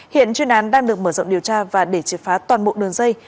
hiện chuyên án đang được mở rộng điều tra và để triệt phá toàn bộ đường dây